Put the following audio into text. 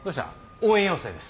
応援要請です。